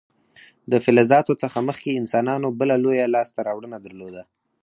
د فلزاتو څخه مخکې انسانانو بله لویه لاسته راوړنه درلوده.